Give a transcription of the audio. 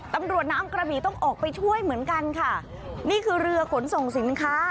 ตำรวจน้ำกระบี่ต้องออกไปช่วยเหมือนกันค่ะนี่คือเรือขนส่งสินค้า